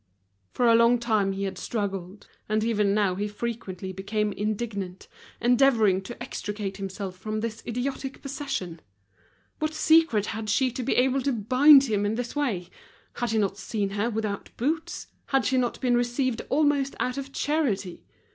For a long time he had struggled, and even now he frequently became indignant, endeavoring to extricate himself from this idiotic possession. What secret had she to be able to bind him in this way? Had he not seen her without boots? Had she not been received almost out of charity?